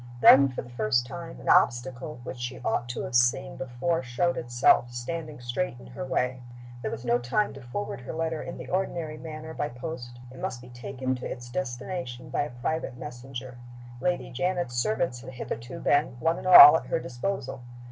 Then, for the first time, an obstacle which she ought to have seen before showed itself, standing straight in her way. There was no time to forward her letter in the ordinary manner by post. It must be taken to its destination by a private messenger. Lady Janet's servants had hitherto been, one and all, at her disposal.